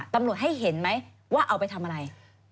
ตำรวจให้เห็นไหมว่าเอาไปทำอะไร